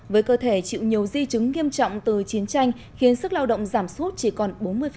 với cơ thể chịu nhiều di chứng nghiêm trọng từ chiến tranh khiến sức lao động giảm suốt chỉ còn bốn mươi